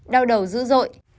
đau đầu dữ dội